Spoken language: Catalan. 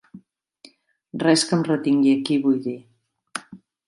Res que em retingui aquí, vull dir.